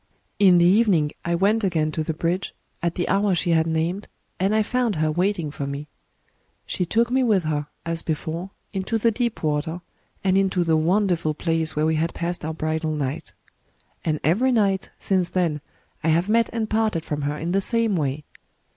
"In the evening I went agsun to the bridge, at the hour she had named, and I found her waiting for me. She took me with her, as before. Digitized by Googk THE STORY OF CHUGORO 79 into the deep water, and into the wonderful place where we had passed our bridal night. And every night, since then, I have met and parted from her in the same way.